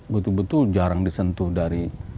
betul betul jarang disentuh dari